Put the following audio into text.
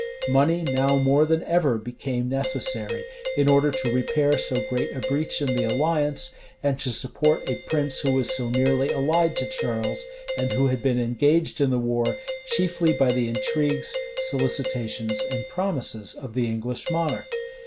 Money now more than ever, became necessary, in order to repair so great a breach in the alliance, and to support a prince who was so nearly allied to Charles, and who had been engaged in the war chiefly by the intrigues, solicitations, and promises of the English monarch.